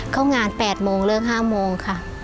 เข้างาน๘โมงเลิก๕โมงค่ะ